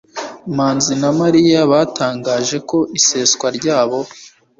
manzi na mariya batangaje ko iseswa ryabo